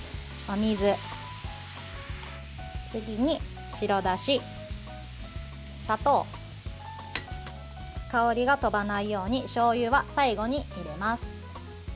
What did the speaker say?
お水、次に白だし、砂糖香りが飛ばないようにしょうゆは最後に入れます。